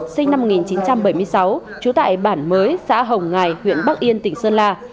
sinh năm một nghìn chín trăm bảy mươi sáu trú tại bản mới xã hồng ngài huyện bắc yên tỉnh sơn la